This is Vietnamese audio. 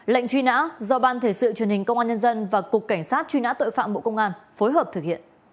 lệnh truy nã do ban thể sự truyền hình công an nhân dân và cục cảnh sát truy nã tội phạm bộ công an phối hợp thực hiện